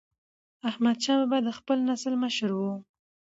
احمدشاه بابا د خپل نسل مشر و.